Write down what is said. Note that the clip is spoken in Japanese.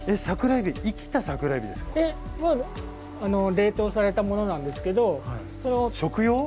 冷凍されたものなんですけど。